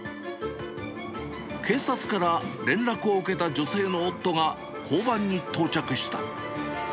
警察から連絡を受けた女性の夫が交番に到着した。